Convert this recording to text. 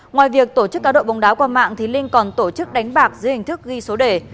ngoài việc tổ chức cá độ bóng đá qua mạng thì linh còn tổ chức đánh bạc dưới hình thức ghi số đề